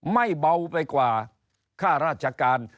ไม่เบาไปกว่าค่าราชการ